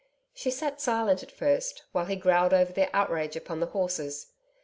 She sat silent at first, while he growled over the outrage upon the horses.